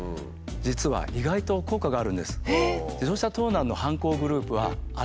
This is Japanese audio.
実は意外と効果があるんです。